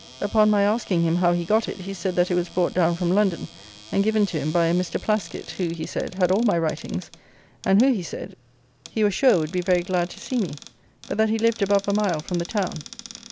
Upon my asking him how he got it, he said that it was brought down from London and given to him by a Mr. Plaskitt, who, he said, had all my writings, and who, he said, he was sure would be very glad to see me; but that he lived above a mile from the town.